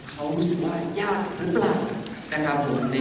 เขารู้สึกว่ายากหรือเปล่านะครับผม